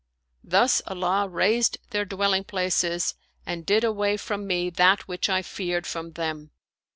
Thus Allah razed their dwelling places and did away, from me that which I feared from them.